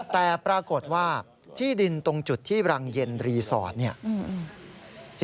แต่ปรากฏว่าที่ดินตรงจุดที่รังเย็นรีสอร์ทเนี่ย